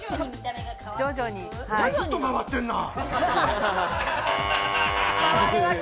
ずっと回ってるな。